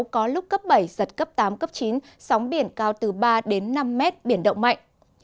có lúc cấp bảy giật cấp tám cấp chín sóng biển cao từ ba đến năm mét biển động mạnh